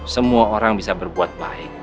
semua orang bisa berbuat baik